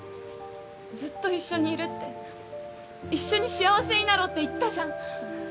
ずっと一緒にいるって一緒に幸せになろうって言ったじゃん。